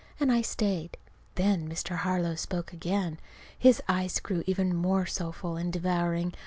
And I stayed. Then Mr. Harlow spoke again. His eyes grew even more soulful and devouring.